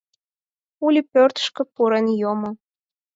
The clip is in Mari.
Ули пӧртышкӧ пурен йомо.